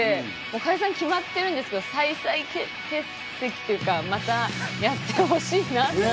解散決まってるんですけど、再々結成またやってほしいなと。